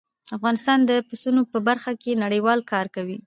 افغانستان د پسونو په برخه کې نړیوال کار کوي.